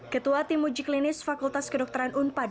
ketua tim uji klinis fakultas kedokteran unpad